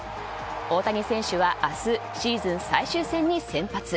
大谷選手は明日シーズン最終戦に先発。